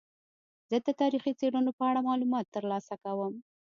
زه د تاریخي څیړنو په اړه معلومات ترلاسه کوم.